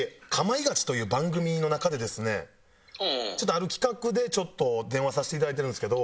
ある企画でちょっと電話させていただいてるんですけど。